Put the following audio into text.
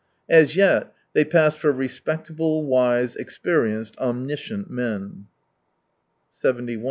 As yet, they pass for respectable, wise, experienced, omniscient men.